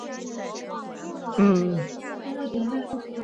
沧源近溪蟹为溪蟹科近溪蟹属的动物。